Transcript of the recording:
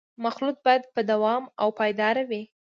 مخلوط باید با دوام او پایدار وي